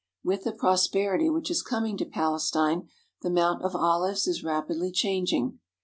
With the prosperity which is coming to Palestine the Mount of Olives is rapidly changing.